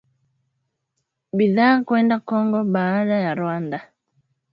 bidhaa kwenda Kongo baada ya Rwanda